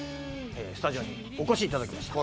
スタジオにお越しいただきました。